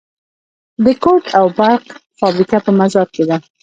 د کود او برق فابریکه په مزار کې ده